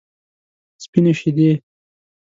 سپینې شیدې.